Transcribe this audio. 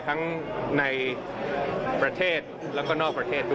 ทั้งในประเทศแล้วก็นอกประเทศด้วย